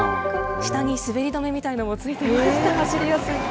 下に滑り止めみたいなのもついていました。